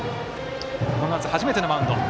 この夏初めてのマウンド。